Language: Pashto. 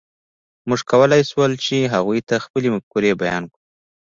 موږ کولی شول، چې هغوی ته خپلې مفکورې بیان کړو.